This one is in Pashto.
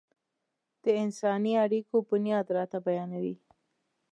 د انساني اړيکو بنياد راته بيانوي.